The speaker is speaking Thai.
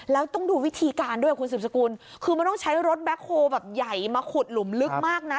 แล้วต้องดูวิธีการด้วยคุณสืบสกุลคือมันต้องใช้รถแบ็คโฮลแบบใหญ่มาขุดหลุมลึกมากนะ